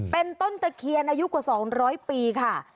เป็นต้นตะเคียนอายุกว่า๒๐๐ปีค่ะ